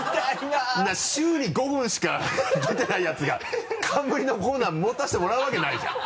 週に５分しか出てないヤツが冠のコーナー持たせてもらえるわけないじゃん！